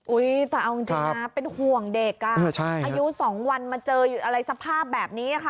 แต่เอาจริงนะเป็นห่วงเด็กอายุ๒วันมาเจออะไรสภาพแบบนี้ค่ะ